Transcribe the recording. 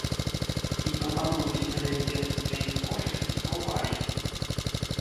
І прапануюць прыглядзецца да іх творчасці паўважлівей.